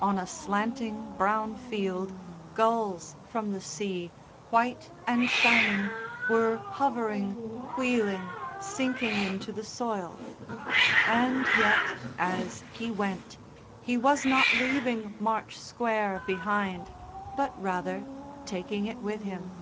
On a slanting brown field gulls from the sea, white and shining, were hovering, wheeling, sinking into the soil. And yet, as he went, he was not leaving March Square behind, but rather taking it with him.